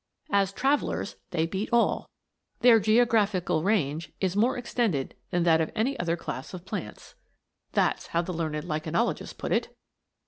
As travellers they beat all. "Their geographical range is more extended than that of any other class of plants." That's how the learned lichenologists put it.